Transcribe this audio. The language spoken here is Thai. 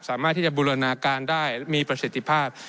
สามารถที่จะบูรณาการได้มีประสิทธิภาพ